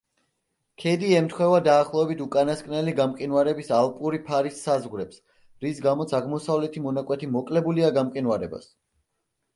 ქედი ემთხვევა დაახლოებით უკანასკნელი გამყინვარების ალპური ფარის საზღვრებს, რის გამოც აღმოსავლეთი მონაკვეთი მოკლებულია გამყინვარებას.